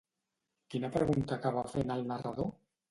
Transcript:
Quina pregunta acaba fent el narrador?